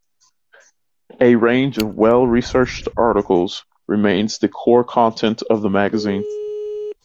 A range of well-researched articles remains the core content of the magazine.